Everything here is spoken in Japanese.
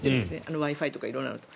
Ｗｉ−Ｆｉとか色んなの。